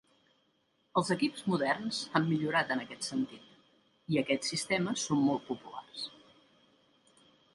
Els equips moderns han millorat en aquest sentit, i aquests sistemes són molt populars.